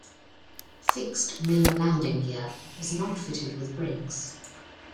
Fixed main landing gear was not fitted with brakes.